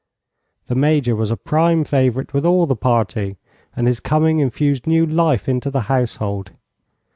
The Major was a prime favorite with all the party and his coming infused new life into the household.